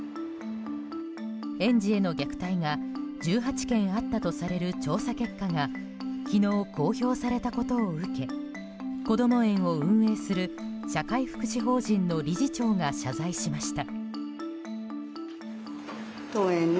園児への虐待が１８件あったとされる調査結果が昨日、公表されたことを受けこども園を運営する社会福祉法人の理事長が謝罪しました。